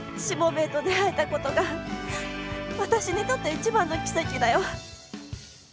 しもべえと出会えたことが私にとって一番の奇跡だよ。